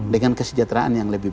dengan kesejahteraan yang lebih